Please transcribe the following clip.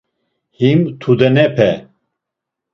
Him tudenepe.